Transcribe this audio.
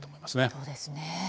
そうですね。